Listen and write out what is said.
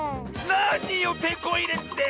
なによテコいれって！